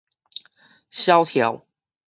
痟跳